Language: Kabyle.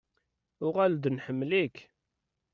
Uɣal-d nḥemmel-ik.